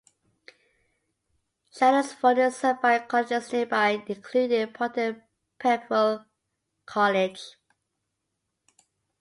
Chandler's Ford is served by colleges nearby, including Barton Peveril College.